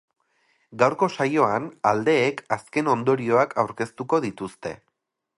Gaurko saioan, aldeek azken ondorioak aurkeztuko dituzte.